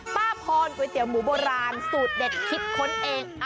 ป้าพรก๋วยเตี๋ยหมูโบราณสูตรเด็ดคิดค้นเอง